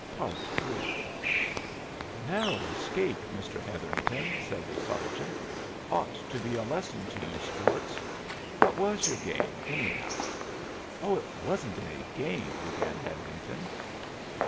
III "Narrow escape, Mr. Hetherington," said the sergeant. "Ought to be a lesson to you sports. What was your game, anyhow?" "Oh, it wasn't any game " began Hetherington.